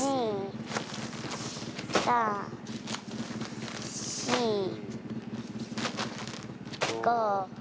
３４５。